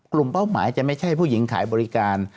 เป้าหมายจะไม่ใช่ผู้หญิงขายบริการ